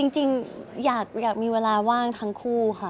จริงอยากมีเวลาว่างทั้งคู่ค่ะ